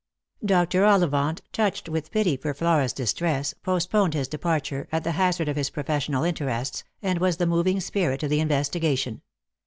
Dr. Ollivant, touched with pity for Flora's distress, postponed his departure, at the hazard of his professional interests, and was the moving spirit of the investigation.